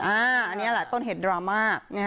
อันนี้แหละต้นเหตุดราม่า